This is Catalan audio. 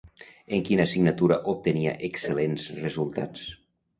En quina assignatura obtenia excel·lents resultats?